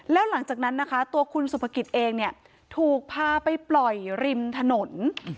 แล้วหลังจากนั้นนะคะตัวคุณสุภกิจเองเนี่ยถูกพาไปปล่อยริมถนน